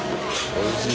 おいしい？